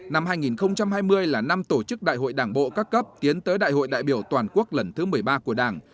năm hai nghìn hai mươi là năm tổ chức đại hội đảng bộ các cấp tiến tới đại hội đại biểu toàn quốc lần thứ một mươi ba của đảng